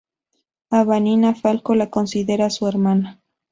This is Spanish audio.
A Vanina Falco la considera su hermana.